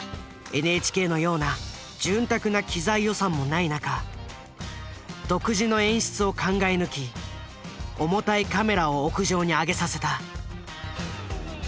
ＮＨＫのような潤沢な機材予算もない中独自の演出を考え抜き重たいカメラを屋上に上げさせた。